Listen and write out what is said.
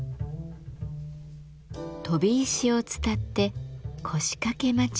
飛び石を伝って「腰掛待合」へ。